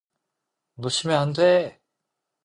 놓치면 안 돼.